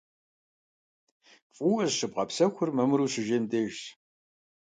ФӀыуэ зыщыбгъэпсэхур мамыру ущыжейм дежщ.